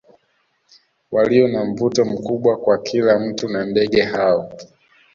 Walio na mvuto mkubwa kwa kila mtu na ndege hao